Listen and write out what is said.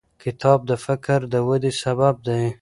کتاب د فکر د ودې سبب دی.